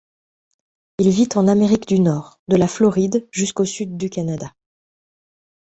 Il vit en Amérique du Nord, de la Floride jusqu'au sud du Canada.